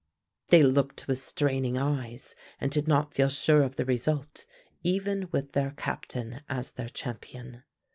They looked with straining eyes and did not feel sure of the result even with their captain as their champion.